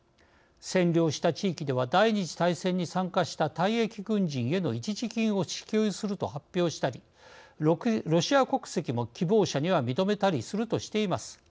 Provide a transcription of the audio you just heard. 占領した地域では第２次大戦に参加した退役軍人への一時金を支給すると発表したりロシア国籍も希望者には認めたりするとしています。